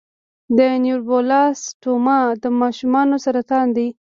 د نیوروبلاسټوما د ماشومانو سرطان دی.